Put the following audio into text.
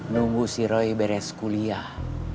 nunggu si roy beres kuliah